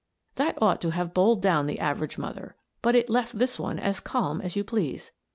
" That ought to have bowled down the average mother, but it left this one as calm as you please.